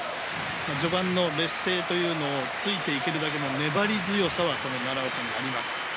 序盤の劣勢というのをついていけるだけの粘り強さはこの奈良岡はあります。